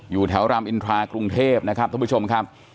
อยู่แถวรามอินทราปุ่มกรุงเทพทุกผู้ชมครับ